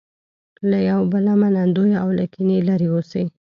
له یو بله منندوی او له کینې لرې اوسي.